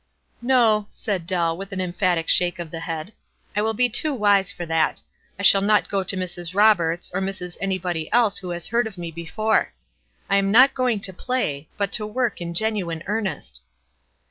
"No," said Dell, with an emphatic shake of the head. "I will be too wise for that. I shall not go to Mrs. Roberts' or Mrs. anybody else who has heard of me before. I'm not £oin£ to play, but to work in genuine earnest."